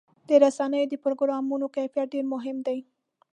د رسنیو د پروګرامونو کیفیت ډېر مهم دی.